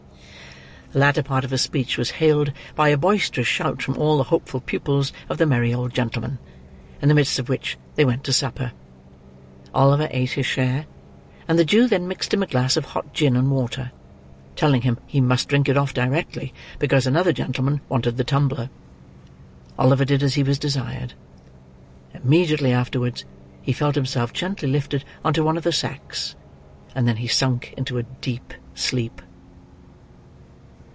Ha! ha! ha!" The latter part of this speech, was hailed by a boisterous shout from all the hopeful pupils of the merry old gentleman. In the midst of which they went to supper. Oliver ate his share, and the Jew then mixed him a glass of hot gin and water: telling him he must drink it off directly, because another gentleman wanted the tumbler. Oliver did as he was desired. Immediately afterwards he felt himself gently lifted on to one of the sacks; and then he sunk into a deep sleep.